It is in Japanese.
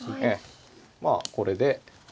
まあこれで。